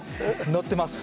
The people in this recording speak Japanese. のってます。